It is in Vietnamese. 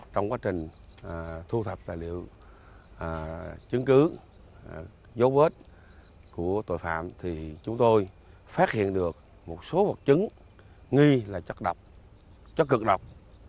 trong quá trình thu thập tài liệu chứng cứ dấu vết của tội phạm thì chúng tôi phát hiện được một số vật chứng nghi là chất độc chất cực độc